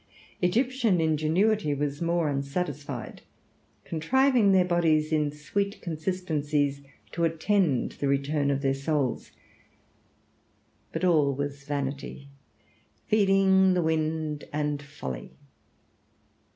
Egyptian ingenuity was more unsatisfied, contriving their bodies in sweet consistencies to attend the return of their souls. But all was vanity, feeding the wind and folly.